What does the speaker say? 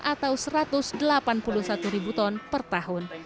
atau satu ratus delapan puluh satu ribu ton per tahun